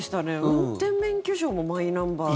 運転免許証もマイナンバーで。